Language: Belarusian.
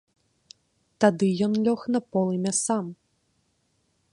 Тады ён лёг на полымя сам.